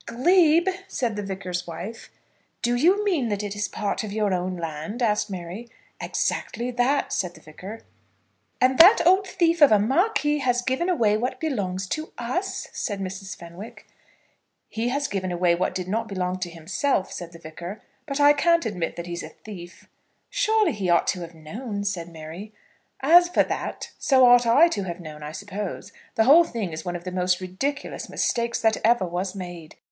"Glebe!" said the Vicar's wife. "Do you mean that it is part of your own land?" asked Mary. "Exactly that," said the Vicar. "And that old thief of a Marquis has given away what belongs to us?" said Mrs. Fenwick. "He has given away what did not belong to himself," said the Vicar. "But I can't admit that he's a thief." "Surely he ought to have known," said Mary. "As for that, so ought I to have known, I suppose. The whole thing is one of the most ridiculous mistakes that ever was made.